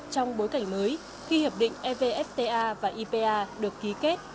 trong bối cảnh mới khi hiệp định evfta và ipa được ký kết